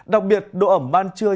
đặc biệt độ ẩm ban trưa